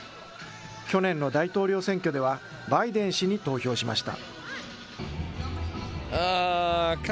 去年の大統領選挙では、バイデン氏に投票しました。